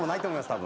多分。